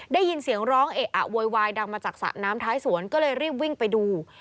ได้ยินเสียงร้องเอะอะโวยวายดังมาจากสระน้ำท้ายสวนก็เลยรีบวิ่งไปดู